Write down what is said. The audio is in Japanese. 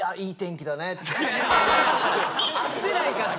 合ってないから！